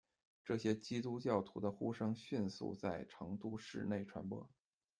这些基督教徒的呼声迅速在成都市内传播。